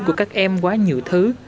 của các em quá nhiều thứ